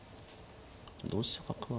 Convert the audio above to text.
同飛車角は。